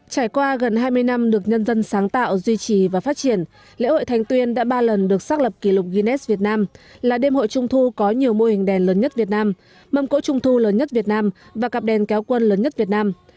trải qua gần hai mươi năm được nhân dân sáng tạo duy trì và phát triển lễ hội thành tuyên đã ba lần được xác lập kỷ lục guinness việt nam là đêm hội trung thu có nhiều mô hình đèn lớn nhất việt nam mâm cỗ trung thu lớn nhất việt nam và cặp đèn kéo quân lớn nhất việt nam